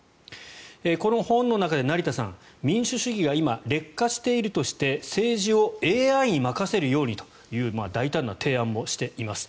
この本の中で成田さん民主主義が今劣化しているとして政治をＡＩに任せるようにという大胆な提案もしています。